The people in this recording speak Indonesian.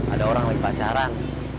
ada orang lagi pacaran